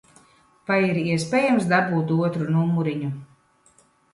Vai ir iespējams dabūt otru numuriņu?